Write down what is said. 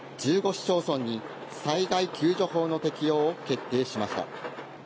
市町村に災害救助法の適用を決定しました。